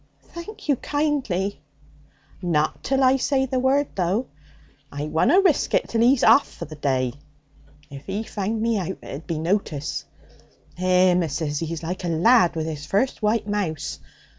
'Thank you kindly.' 'Not till I say the word, though! I wunna risk it till he's off for the day. If he found me out, it'd be notice. Eh, missus, he's like a lad with his first white mouse!